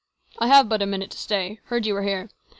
" I have but a minute to stay. Heard you were here.